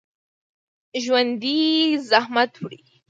ژوندي زحمت وړي